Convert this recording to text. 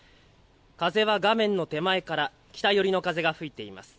風は画面の手前から北寄りの風が吹いています。